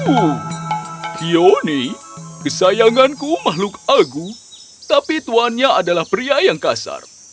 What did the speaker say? oh qioni kesayanganku makhluk agu tapi tuannya adalah pria yang kasar